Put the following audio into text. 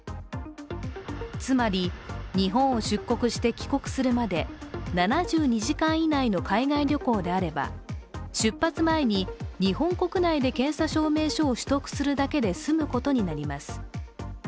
つまり、日本を出国して帰国するまで７２時間以内の海外旅行であれば出発前に、日本国内で検査証明書を取得するだけで済むことになります。